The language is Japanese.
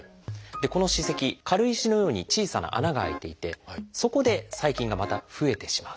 この歯石軽石のように小さな穴が開いていてそこで細菌がまた増えてしまうという。